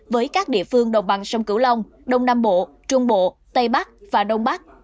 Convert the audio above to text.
với các địa phương đồng bằng sông cửu long đông nam bộ trung bộ tây bắc và đông bắc